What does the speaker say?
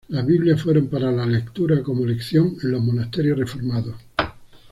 Las biblias fueron para la lectura coro lección en los monasterios reformados.